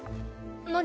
何？